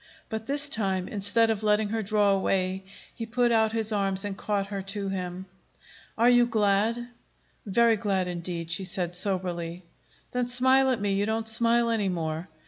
But this time, instead of letting her draw away, he put out his arms and caught her to him. "Are you glad?" "Very glad, indeed," she said soberly. "Then smile at me. You don't smile any more.